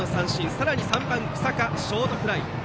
さらに３番の日下がショートフライ。